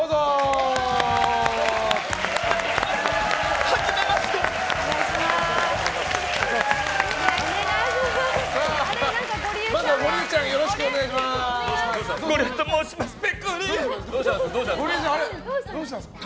どうしたんですか？